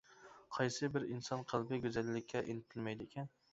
قايسى بىر ئىنسان قەلبى گۈزەللىككە ئىنتىلمەيدىكەن.